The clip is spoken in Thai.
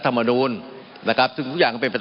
เพราะฉะนั้นในการกระทำของก่อนหน้าวันที่๒๒พฤษภกรม๕๗นั้น